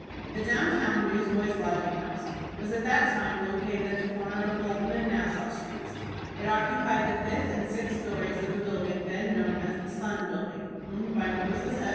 The down town Newsboys' Lodging House was at that time located at the corner of Fulton and Nassau Streets. It occupied the fifth and sixth stories of the building then known as the "Sun" building, owned by Moses S.